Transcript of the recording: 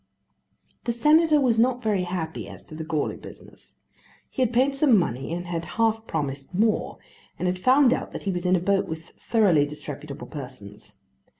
The Senator was not very happy as to the Goarly business. He had paid some money and had half promised more, and had found out that he was in a boat with thoroughly disreputable persons.